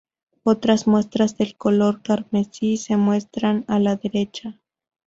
Otras muestras del color carmesí se muestran a la derecha.